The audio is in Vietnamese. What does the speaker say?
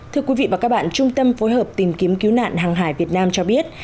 thưa quý vị và các bạn trung tâm phối hợp tìm kiếm cứu nạn hàng hải việt nam cho biết